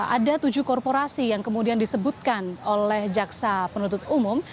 ada tujuh korporasi yang kemudian disebutkan oleh jaksa penuntut umum